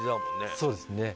そうですね。